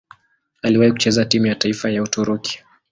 Aliwahi kucheza timu ya taifa ya Uturuki.